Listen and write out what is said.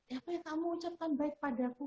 ya apa ya kamu ucapkan baik padaku